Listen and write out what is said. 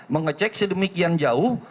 mengecek sedemikian jauh